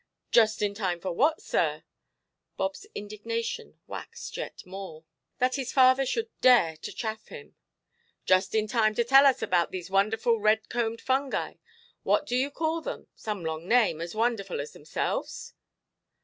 "Just in time for what, sir"? Bobʼs indignation waxed yet more. That his father should dare to chaff him! "Just in time to tell us all about these wonderful red–combed fungi. What do you call them—some long name, as wonderful as themselves"?